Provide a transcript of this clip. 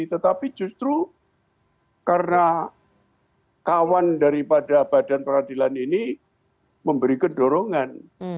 tetapi justru karena kawan daripada badan peradilan ini memberi kedorongan